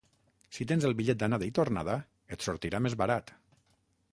Si tens el bitllet d'anada i tornada, et sortirà més barat.